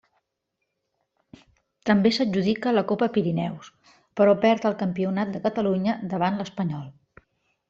També s'adjudica la Copa Pirineus, però perd el Campionat de Catalunya davant l'Espanyol.